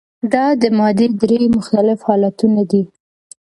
دا د مادې درې مختلف حالتونه دي.